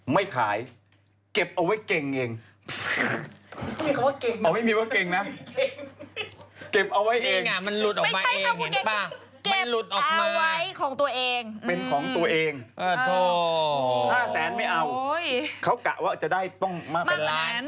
ไม่ขายเก็บเอาไว้เกงเองต้องมีคำว่าเกงกัน